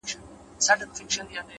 چي څوك تا نه غواړي؛